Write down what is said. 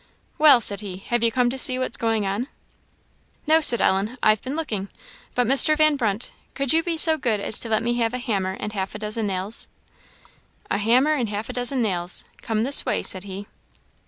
"Well," said he, "have you come to see what's going on?" "No," said Ellen, "I've been looking but Mr. Van Brunt, could you be so good as to let me have a hammer and half a dozen nails?" "A hammer and half a dozen nails; come this way," said he.